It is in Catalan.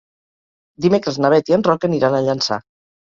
Dimecres na Beth i en Roc aniran a Llançà.